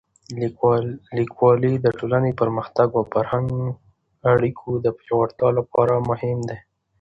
لیکوالی د ټولنې د پرمختګ او فرهنګي اړیکو د پیاوړتیا لپاره مهم دی.